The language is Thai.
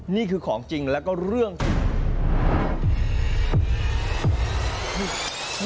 นี่คือของจริงแล้วก็เรื่อง